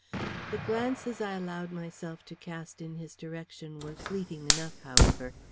The glances I allowed myself to cast in his direction were fleeting enough, however.